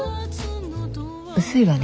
薄いわね。